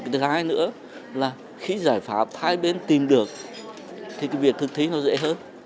thứ hai nữa là khi giải pháp hai bên tìm được thì việc thực thí nó dễ hơn